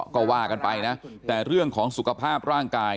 ก็ว่ากันไปนะแต่เรื่องของสุขภาพร่างกาย